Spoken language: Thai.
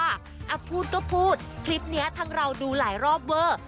พูดก็พูดคลิปนี้ทั้งเราดูหลายรอบเวอร์